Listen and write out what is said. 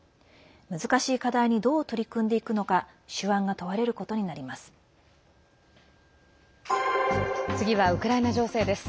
難しい課題にどう取り組んでいくのか手腕が問われることになります。